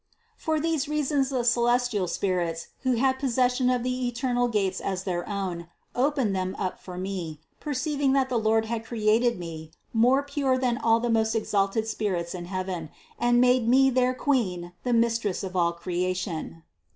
342. For these reasons the celestial spirits, who had possession of the eternal gates as their own, opened them up for me, perceiving that the Lord had created me more pure than all the most exalted spirits in heaven, and made me their Queen, and the Mistress of all creation.